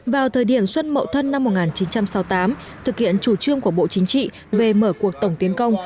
vào thời điểm xuân mậu thân năm một nghìn chín trăm sáu mươi tám thực hiện chủ trương của bộ chính trị về mở cuộc tổng tiến công